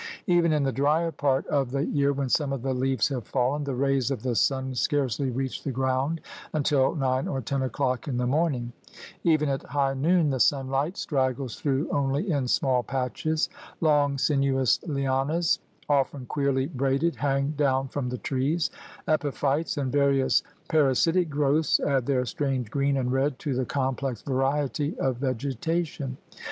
Even in the drier part of the year when some of the leaves have fallen, the rays of the sun scarcely reach the ground until nine or ten o'clock in the morning. Even at high noon the sunlight straggles through only in small patches. Long, sinuous lianas, often queerly braided, hang down from the trees; epiphytes and various para sitic growths add their strange green and red to the complex variety of vegetation.